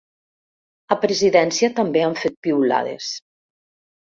A Presidència també han fet piulades.